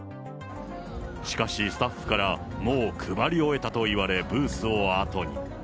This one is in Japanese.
しかし、スタッフからもう配り終えたと言われ、ブースを後に。